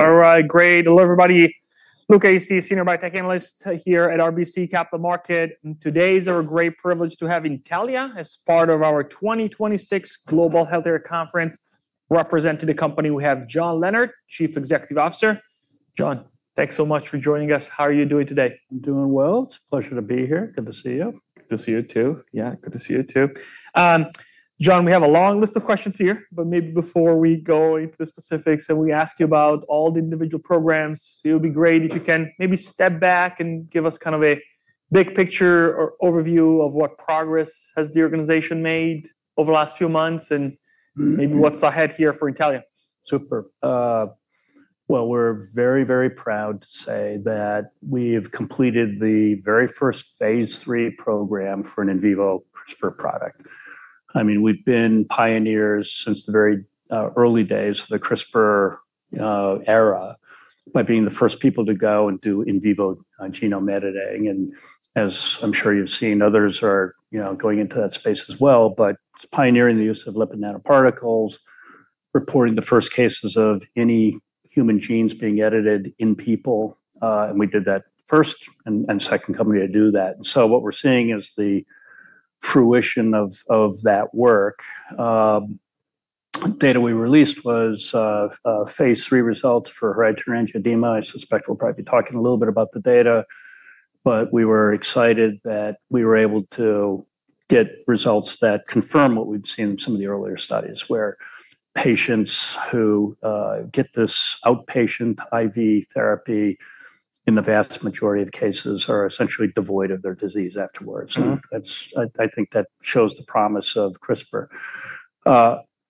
All right, great. Hello, everybody. Luca Issi, Senior Biotech Analyst here at RBC Capital Markets, today it's our great privilege to have Intellia as part of our 2026 Global Healthcare Conference. Representing the company, we have John Leonard, Chief Executive Officer. John, thanks so much for joining us. How are you doing today? I'm doing well. It's a pleasure to be here. Good to see you. Good to see you, too. Yeah, good to see you, too. John, we have a long list of questions here, but maybe before we go into the specifics, and we ask you about all the individual programs, it would be great if you can maybe step back and give us a big picture or overview of what progress has the organization made over the last few months, and maybe what's ahead here for Intellia. Super. Well, we're very, very proud to say that we've completed the very first phase III program for an in vivo CRISPR product. We've been pioneers since the very early days of the CRISPR era by being the first people to go and do in vivo genome editing. As I'm sure you've seen, others are going into that space as well. Pioneering the use of lipid nanoparticles, reporting the first cases of any human genes being edited in people, and we did that first and second company to do that. What we're seeing is the fruition of that work. Data we released was phase III results for hereditary angioedema. I suspect we'll probably be talking a little bit about the data, but we were excited that we were able to get results that confirm what we'd seen in some of the earlier studies, where patients who get this outpatient IV therapy, in the vast majority of cases, are essentially devoid of their disease afterwards. I think that shows the promise of CRISPR.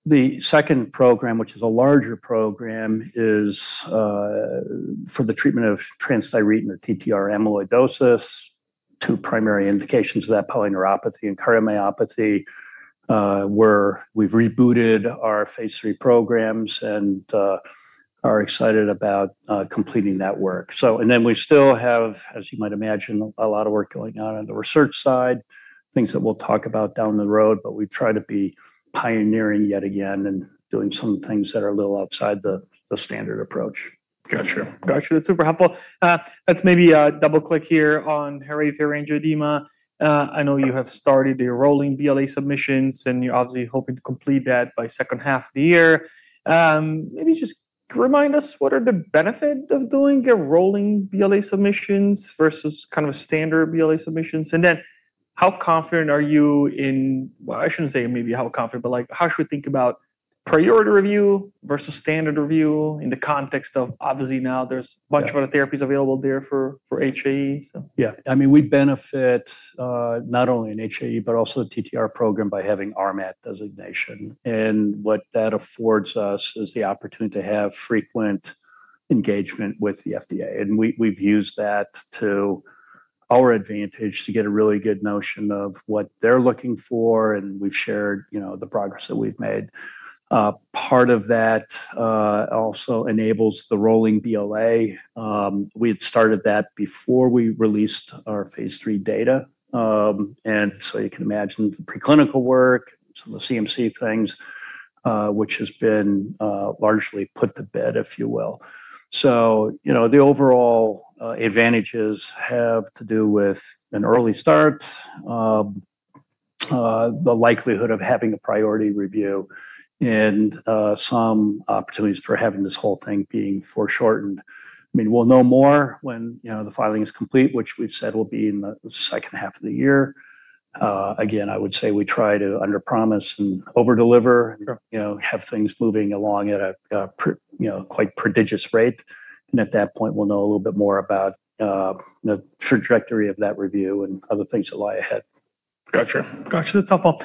The second program, which is a larger program, is for the treatment of transthyretin, the transthyretin amyloidosis. Two primary indications of that, polyneuropathy and cardiomyopathy, where we've rebooted our phase III programs and are excited about completing that work. We still have, as you might imagine, a lot of work going on on the research side, things that we'll talk about down the road. We try to be pioneering yet again and doing some things that are a little outside the standard approach. Got you. That's super helpful. Let's maybe double-click here on hereditary angioedema. I know you have started the rolling BLA submissions, and you're obviously hoping to complete that by the second half of the year. Maybe just remind us what are the benefit of doing a rolling BLA submissions versus a standard BLA submissions? How should we think about priority review versus standard review in the context of, obviously now there's a bunch of other therapies available there for HAE? Yeah. We benefit not only in HAE, but also the TTR program by having RMAT designation. What that affords us is the opportunity to have frequent engagement with the FDA. We've used that to our advantage to get a really good notion of what they're looking for, and we've shared the progress that we've made. Part of that also enables the rolling BLA. We had started that before we released our phase III data. You can imagine the preclinical work, some of the CMC things, which has been largely put to bed, if you will. The overall advantages have to do with an early start, the likelihood of having a priority review, and some opportunities for having this whole thing being foreshortened. We'll know more when the filing is complete, which we've said will be in the second half of the year. I would say we try to underpromise and overdeliver. Sure. Have things moving along at a quite prodigious rate. At that point, we'll know a little bit more about the trajectory of that review and other things that lie ahead. Got you. That's helpful.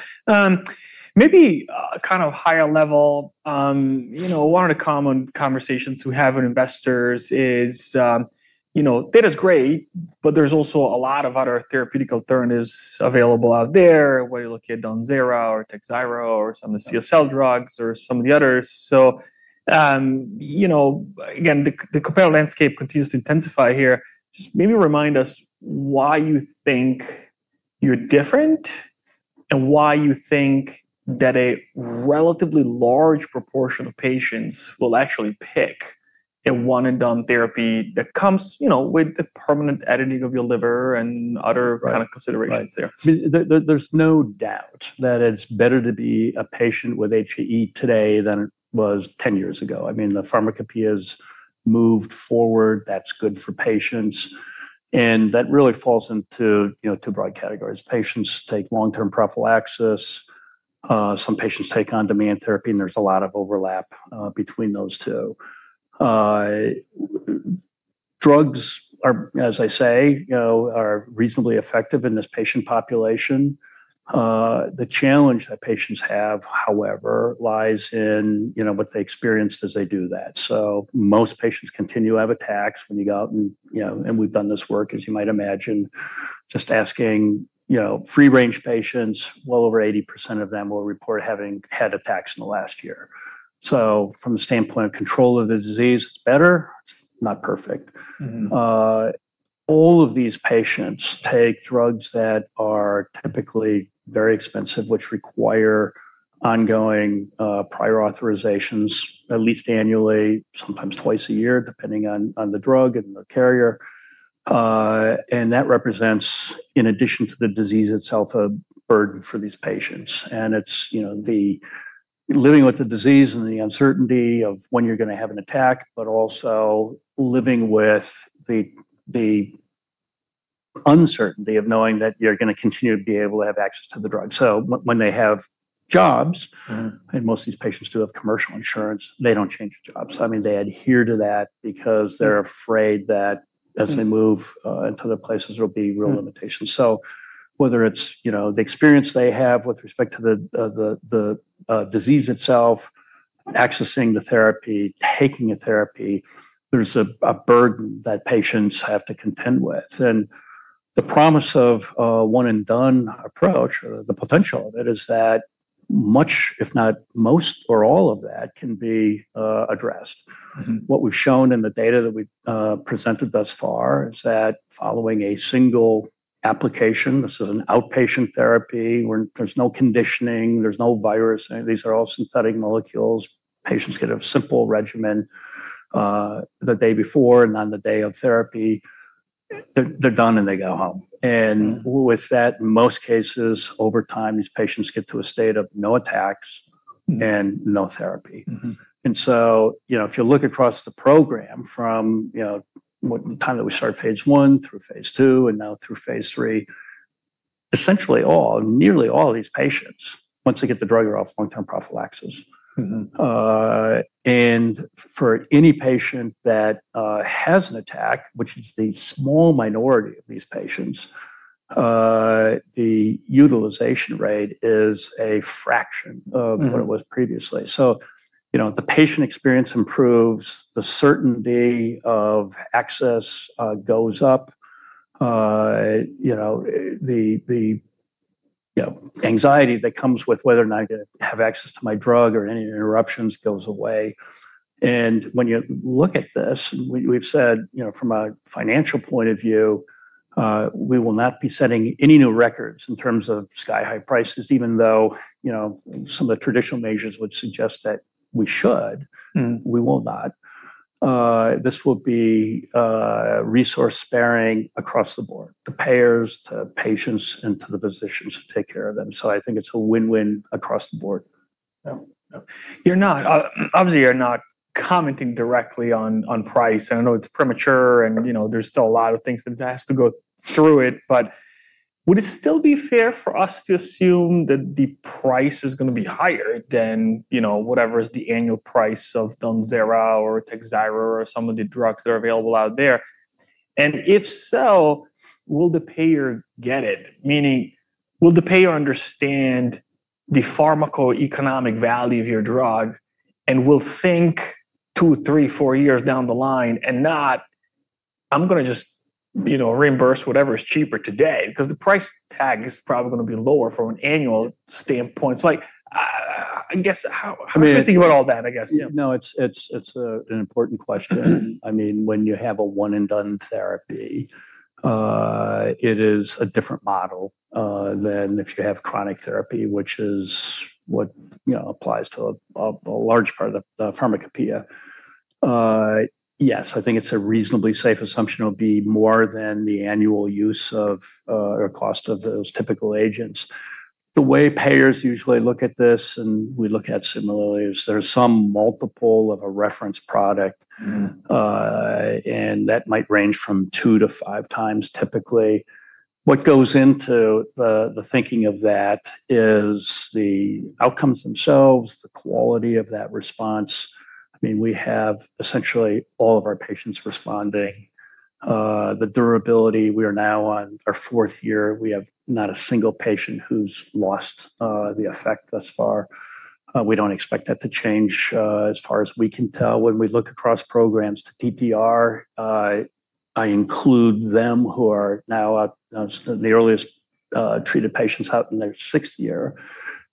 Maybe kind of higher level, one of the common conversations we have with investors is data's great, but there's also a lot of other therapeutic alternatives available out there, whether you look at ONPATTRO or TAKHZYRO or some of the CSL drugs or some of the others. Again, the competitive landscape continues to intensify here. Just maybe remind us why you think you're different and why you think that a relatively large proportion of patients will actually pick a one-and-done therapy that comes with the permanent editing of your liver and other kind of considerations there. Right. There's no doubt that it's better to be a patient with HAE today than it was 10 years ago. The pharmacopeia's moved forward. That's good for patients. That really falls into two broad categories. Patients take long-term prophylaxis. Some patients take on-demand therapy. There's a lot of overlap between those two. Drugs are, as I say, are reasonably effective in this patient population. The challenge that patients have, however, lies in what they experience as they do that. Most patients continue to have attacks when you go out. We've done this work, as you might imagine, just asking free range patients, well over 80% of them will report having had attacks in the last year. From the standpoint of control of the disease, it's better. It's not perfect. All of these patients take drugs that are typically very expensive, which require ongoing prior authorizations at least annually, sometimes twice a year, depending on the drug and the carrier. That represents, in addition to the disease itself, a burden for these patients. It's the living with the disease and the uncertainty of when you're going to have an attack, but also living with the uncertainty of knowing that you're going to continue to be able to have access to the drug. When they have jobs, and most of these patients do have commercial insurance, they don't change their jobs. They adhere to that because they're afraid that as they move into other places, there'll be real limitations. Whether it's the experience they have with respect to the disease itself, accessing the therapy, taking a therapy, there's a burden that patients have to contend with. The promise of a one and done approach, or the potential of it, is that much, if not most or all of that can be addressed. What we've shown in the data that we've presented thus far is that following a single application, this is an outpatient therapy where there's no conditioning, there's no virus, these are all synthetic molecules. Patients get a simple regimen the day before, and on the day of therapy, they're done and they go home. With that, in most cases, over time, these patients get to a state of no attacks and no therapy. if you look across the program from the time that we started phase I through phase II and now through phase III, essentially all, nearly all of these patients, once they get the drug, are off long-term prophylaxis. For any patient that has an attack, which is the small minority of these patients, the utilization rate is a fraction of what it was previously. The patient experience improves, the certainty of access goes up. The anxiety that comes with whether or not I have access to my drug or any interruptions goes away. When you look at this, we've said from a financial point of view, we will not be setting any new records in terms of sky-high prices, even though some of the traditional measures would suggest that we should. We will not. This will be resource sparing across the board. The payers to patients, and to the physicians who take care of them. I think it's a win-win across the board. Yeah. Obviously, you're not commenting directly on price. I know it's premature and there's still a lot of things that it has to go through it, would it still be fair for us to assume that the price is going to be higher than whatever is the annual price of DAWNZERA or TAKHZYRO or some of the drugs that are available out there? If so, will the payer get it? Meaning, will the payer understand the pharmacoeconomic value of your drug and will think two, three, four years down the line and not, "I'm going to just reimburse whatever is cheaper today." The price tag is probably going to be lower from an annual standpoint. Like, how do you think about all that, I guess? Yeah. No, it's an important question. When you have a one and done therapy, it is a different model than if you have chronic therapy, which is what applies to a large part of the pharmacopeia. Yes, I think it's a reasonably safe assumption it'll be more than the annual use of, or cost of those typical agents. The way payers usually look at this, and we look at similarly, is there's some multiple of a reference product. That might range from 2x-5x, typically. What goes into the thinking of that is the outcomes themselves, the quality of that response. We have essentially all of our patients responding. The durability, we are now on our fourth year. We have not a single patient who's lost the effect thus far. We don't expect that to change, as far as we can tell. When we look across programs to TTR, I include them who are now the earliest treated patients out in their sixth year.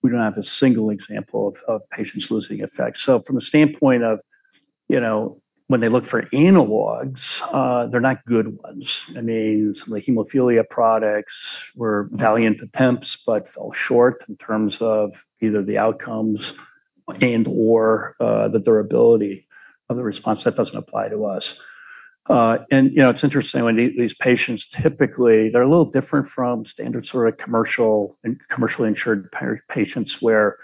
We don't have a single example of patients losing effect. From a standpoint of when they look for analogs, they're not good ones. Some of the hemophilia products were valiant attempts but fell short in terms of either the outcomes and/or the durability of the response. That doesn't apply to us. It's interesting when these patients typically, they're a little different from standard sort of commercially insured patients where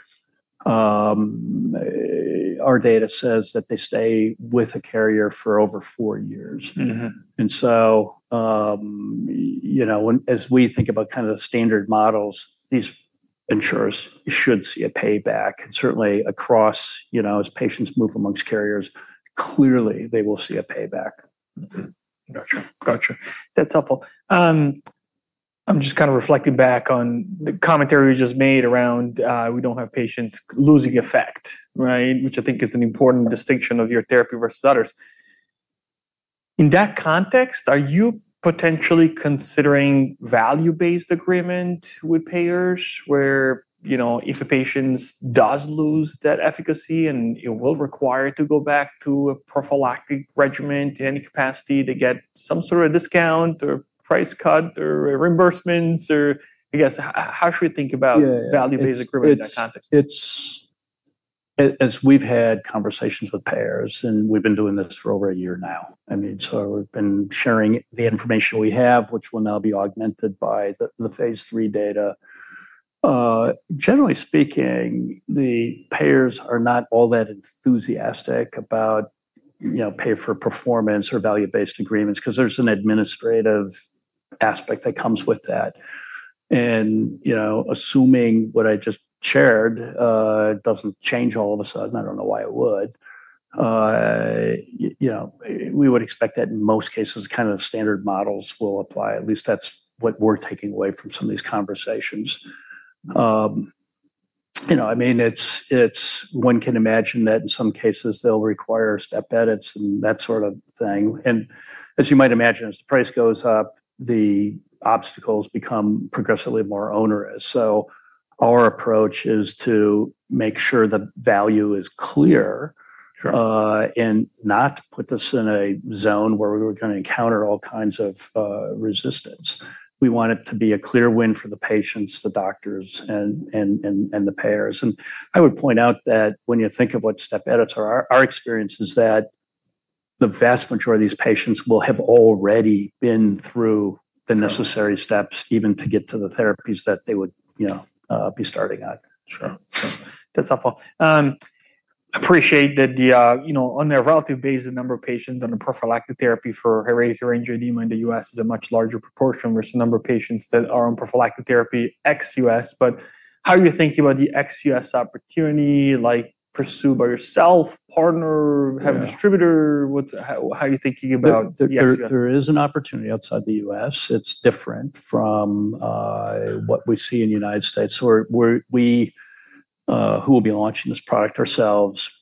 our data says that they stay with a carrier for over four years. As we think about the standard models, these insurers should see a payback. Certainly, as patients move amongst carriers, clearly they will see a payback. Got you. That's helpful. I'm just kind of reflecting back on the commentary you just made around we don't have patients losing effect. Right? Which I think is an important distinction of your therapy versus others. In that context, are you potentially considering value-based agreement with payers where if a patient does lose that efficacy and will require to go back to a prophylactic regimen to any capacity, they get some sort of discount or price cut or reimbursements? I guess, how should we think about value-based agreement in that context? As we've had conversations with payers, and we've been doing this for over a year now, so we've been sharing the information we have, which will now be augmented by the phase III data. Generally speaking, the payers are not all that enthusiastic about pay-for-performance or value-based agreements because there's an administrative aspect that comes with that. Assuming what I just shared doesn't change all of a sudden, I don't know why it would, we would expect that in most cases, standard models will apply. At least that's what we're taking away from some of these conversations. One can imagine that in some cases, they'll require step edits and that sort of thing. As you might imagine, as the price goes up, the obstacles become progressively more onerous. Our approach is to make sure the value is clear. Sure. Not put this in a zone where we're going to encounter all kinds of resistance. We want it to be a clear win for the patients, the doctors, and the payers. I would point out that when you think of what step edits are, our experience is that the vast majority of these patients will have already been through the necessary steps even to get to the therapies that they would be starting on. Sure. That's helpful. Appreciate that on a relative basis, the number of patients on a prophylactic therapy for hereditary angioedema in the U.S. is a much larger proportion versus the number of patients that are on prophylactic therapy ex-U.S. How are you thinking about the ex-U.S. opportunity, like pursued by yourself, partner, have a distributor? How are you thinking about the ex-U.S.? There is an opportunity outside the U.S. It's different from what we see in the United States, who will be launching this product ourselves.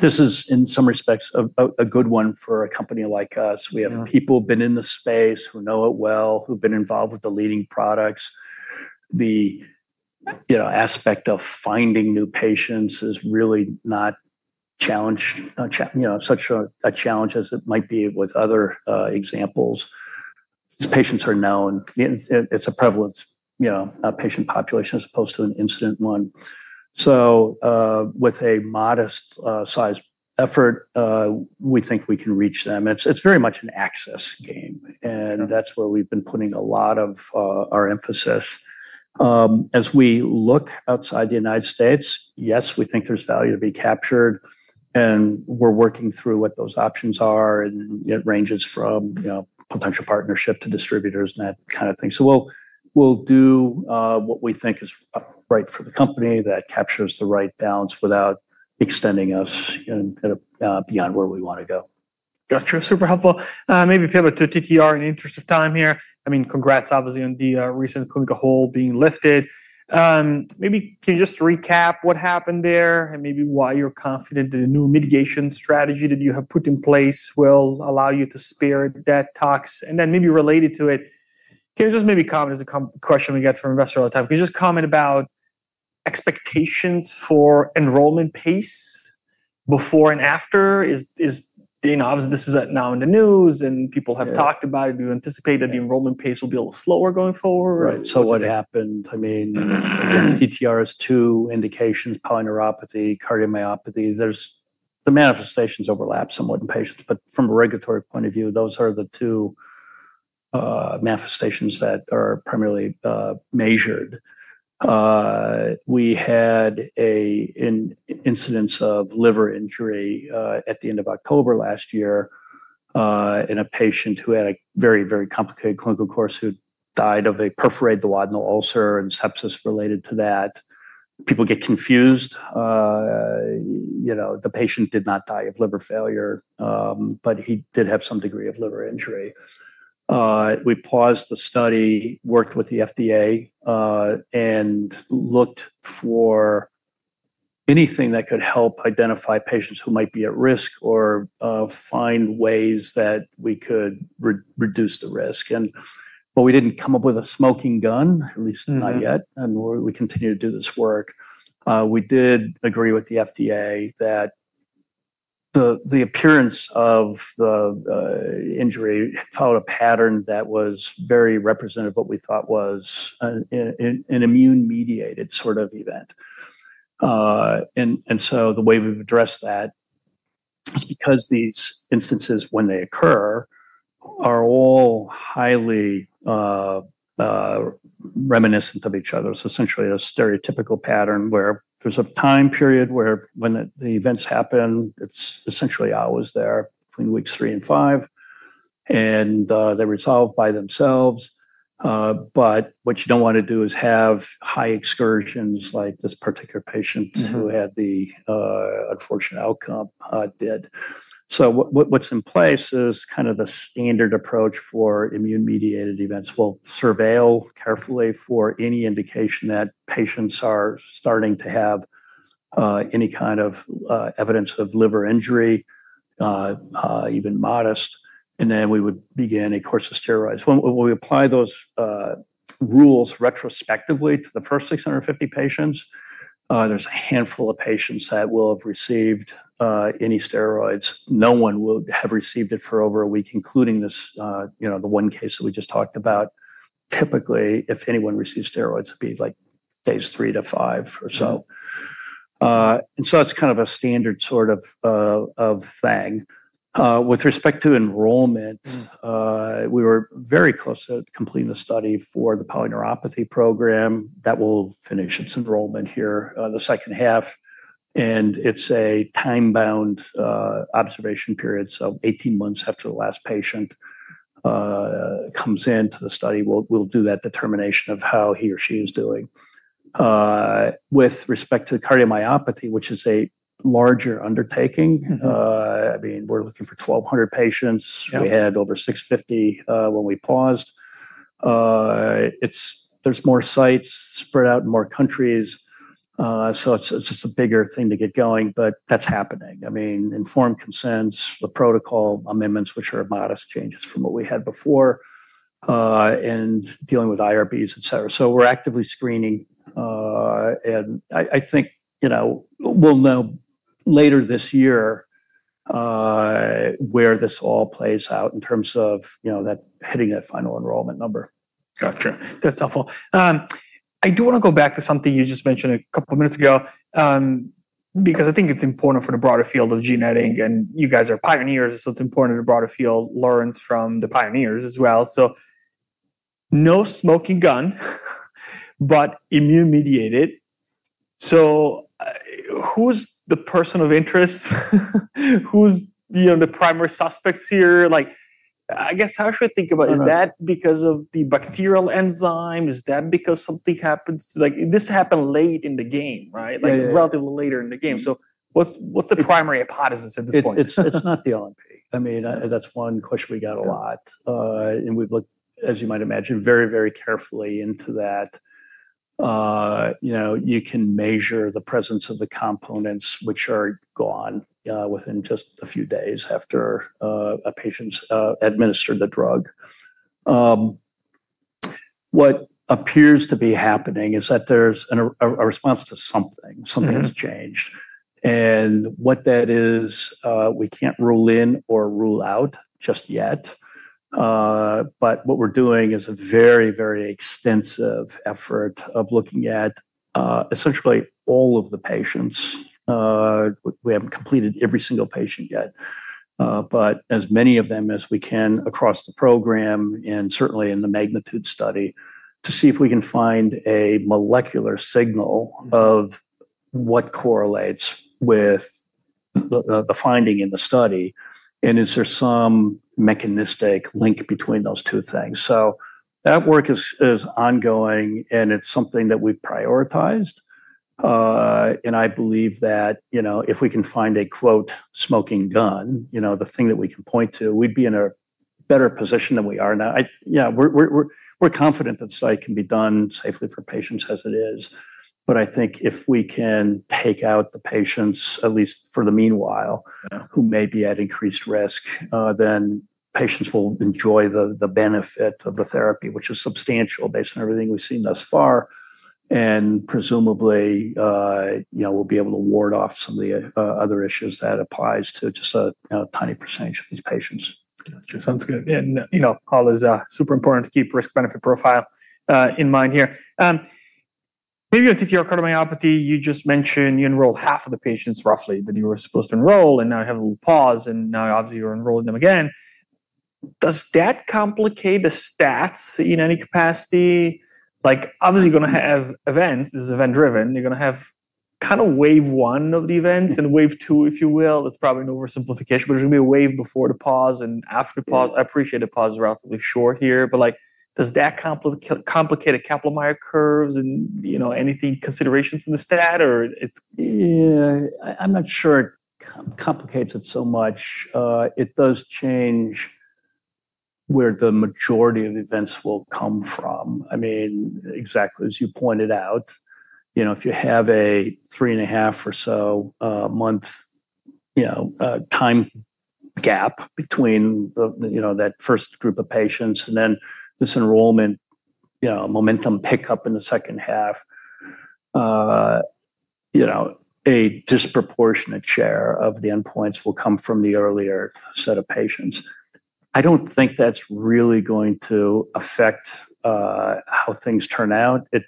This is in some respects, a good one for a company like us. Yeah. We have people who've been in the space, who know it well, who've been involved with the leading products. The aspect of finding new patients is really not such a challenge as it might be with other examples. These patients are known. It's a prevalent patient population as opposed to an incident one. With a modest-sized effort, we think we can reach them. It's very much an access game, and that's where we've been putting a lot of our emphasis. As we look outside the United States, yes, we think there's value to be captured, and we're working through what those options are, and it ranges from potential partnership to distributors and that kind of thing. We'll do what we think is right for the company that captures the right balance without extending us beyond where we want to go. Got you. Super helpful. Pivot to TTR in the interest of time here. Congrats, obviously, on the recent clinical hold being lifted. Can you just recap what happened there and maybe why you're confident that the new mitigation strategy that you have put in place will allow you to spare that tox? Related to it, can you just comment, as a question we get from investors all the time. Can you just comment about expectations for enrollment pace before and after? Obviously, this is now in the news, and people have talked about it. Do you anticipate that the enrollment pace will be a little slower going forward? Right. What happened, TTR has two indications, polyneuropathy, cardiomyopathy. The manifestations overlap somewhat in patients, but from a regulatory point of view, those are the two manifestations that are primarily measured. We had an incidence of liver injury at the end of October last year in a patient who had a very complicated clinical course, who died of a perforated duodenal ulcer and sepsis related to that. People get confused. The patient did not die of liver failure, but he did have some degree of liver injury. We paused the study, worked with the FDA, and looked for anything that could help identify patients who might be at risk or find ways that we could reduce the risk. We didn't come up with a smoking gun, at least not yet, and we continue to do this work. We did agree with the FDA that the appearance of the injury followed a pattern that was very representative of what we thought was an immune-mediated sort of event. The way we've addressed that is because these instances, when they occur, are all highly reminiscent of each other. Essentially, a stereotypical pattern where there's a time period where when the events happen, it's essentially always there between weeks three and five, and they resolve by themselves. What you don't want to do is have high excursions like this particular patient who had the unfortunate outcome did. What's in place is the standard approach for immune-mediated events. We'll surveil carefully for any indication that patients are starting to have any kind of evidence of liver injury, even modest, and then we would begin a course of steroids. When we apply those rules retrospectively to the first 650 patients, there's a handful of patients that will have received any steroids. No one will have received it for over a week, including the one case that we just talked about. Typically, if anyone receives steroids, it'd be days three to five or so. That's kind of a standard sort of thing. With respect to enrollment, we were very close to completing the study for the polyneuropathy program. That will finish its enrollment here, the second half, and it's a time-bound observation period, so 18 months after the last patient comes into the study, we'll do that determination of how he or she is doing. With respect to cardiomyopathy, which is a larger undertaking, we're looking for 1,200 patients. Yeah. We had over 650 when we paused. There's more sites spread out in more countries. It's just a bigger thing to get going. That's happening. Informed consents, the protocol amendments, which are modest changes from what we had before, and dealing with IRBs, etc. We're actively screening. I think we'll know later this year where this all plays out in terms of hitting that final enrollment number. Got you. That's helpful. I do want to go back to something you just mentioned a couple of minutes ago, because I think it's important for the broader field of gene editing, and you guys are pioneers, so it's important the broader field learns from the pioneers as well. No smoking gun but immune-mediated. Who's the person of interest? Who's the primary suspects here? I guess, how should we think about it? Is that because of the bacterial enzyme? Is that because something happened late in the game, right? Yeah. Relatively later in the game. What's the primary hypothesis at this point? It's not the LNP. That's one question we get a lot. We've looked, as you might imagine, very carefully into that. You can measure the presence of the components which are gone within just a few days after a patient's administered the drug. What appears to be happening is that there's a response to something. Something has changed. What that is, we can't rule in or rule out just yet. What we're doing is a very, very extensive effort of looking at essentially all of the patients. We haven't completed every single patient yet, but as many of them as we can across the program and certainly in the MAGNITUDE study, to see if we can find a molecular signal of what correlates with the finding in the study, and is there some mechanistic link between those two things. That work is ongoing, and it's something that we've prioritized. I believe that if we can find a, quote, "smoking gun," the thing that we can point to, we'd be in a better position than we are now. We're confident that the site can be done safely for patients as it is. I think if we can take out the patients, at least for the meanwhile. Yeah who may be at increased risk, then patients will enjoy the benefit of the therapy, which is substantial based on everything we've seen thus far, and presumably we'll be able to ward off some of the other issues that applies to just a tiny percentage of these patients. Got you. Sounds good. Always super important to keep risk-benefit profile in mind here. Maybe on TTR cardiomyopathy, you just mentioned you enrolled half of the patients, roughly, that you were supposed to enroll, now you have a little pause, now obviously you're enrolling them again. Does that complicate the stats in any capacity? Obviously you're going to have events. This is event-driven. You're going to have wave one of the events and wave two, if you will. That's probably an oversimplification, there's going to be a wave before the pause and after the pause. I appreciate the pause is relatively short here, does that complicate a Kaplan-Meier curves and anything, considerations in the stat? I'm not sure it complicates it so much. It does change where the majority of events will come from. Exactly as you pointed out, if you have a three and half or so month time gap between that first group of patients and then this enrollment momentum pickup in the second half, a disproportionate share of the endpoints will come from the earlier set of patients. I don't think that's really going to affect how things turn out. It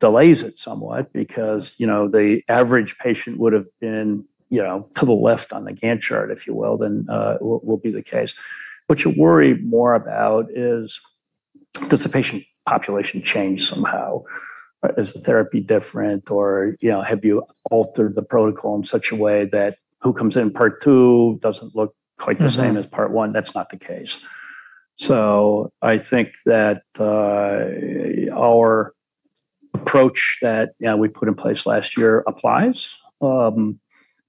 delays it somewhat because the average patient would've been to the left on the Gantt chart, if you will, than will be the case. What you worry more about is, does the patient population change somehow? Is the therapy different, or have you altered the protocol in such a way that who comes in part two doesn't look quite the same as part one? That's not the case. I think that our approach that we put in place last year applies.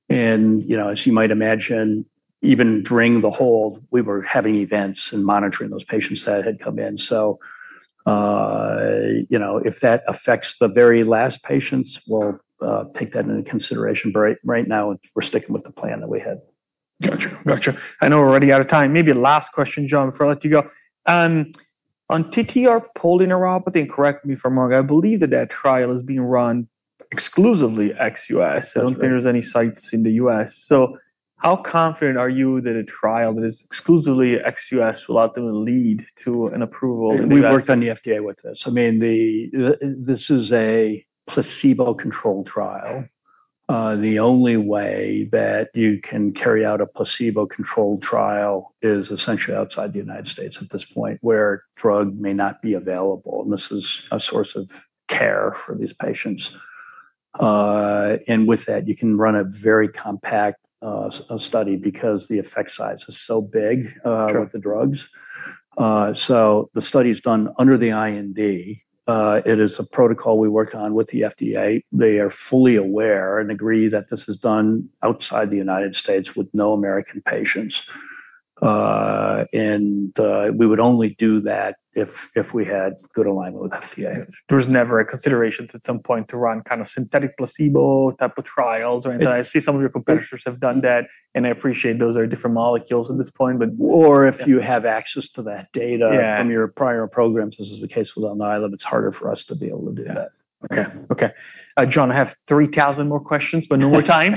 As you might imagine, even during the hold, we were having events and monitoring those patients that had come in. If that affects the very last patients, we'll take that into consideration. Right now, we're sticking with the plan that we had. Got you. I know we're already out of time. Maybe a last question, John, before I let you go. On TTR polyneuropathy, and correct me if I'm wrong, I believe that that trial is being run exclusively ex-U.S. That's right. I don't think there's any sites in the U.S. How confident are you that a trial that is exclusively ex-U.S. will ultimately lead to an approval in the U.S.? We've worked on the FDA with this. This is a placebo-controlled trial. The only way that you can carry out a placebo-controlled trial is essentially outside the United States at this point, where drug may not be available, and this is a source of care for these patients. With that, you can run a very compact study because the effect size is so big- Sure with the drugs. The study's done under the IND. It is a protocol we worked on with the FDA. They are fully aware and agree that this is done outside the United States with no American patients. We would only do that if we had good alignment with FDA. Got you. There was never a consideration at some point to run synthetic placebo type of trials or anything. I see some of your competitors have done that, I appreciate those are different molecules at this point. if you have access to that data. Yeah from your prior programs, as is the case with ONPATTRO, it's harder for us to be able to do that. Okay. John, I have 3,000 more questions, but no more time.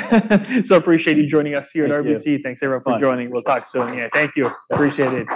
Appreciate you joining us here at RBC. Thank you. Thanks everyone for joining. It's fun. We'll talk soon. Yeah. Thank you. Appreciate it.